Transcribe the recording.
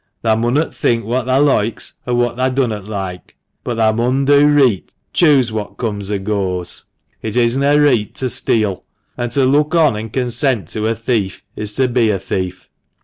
Thah munriot think what thah loikes, or what thah dunnot loike ; but thah mun do reef, chuse what comes or goes. It is na reet to steeal ; and to look on an' consent to a thief is to be a thief.